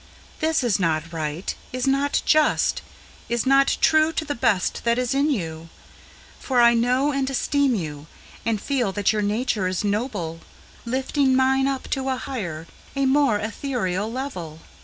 This is not right, is not just, is not true to the best that is in you; For I know and esteem you, and feel that your nature is noble, Lifting mine up to a higher, a more ethereal level.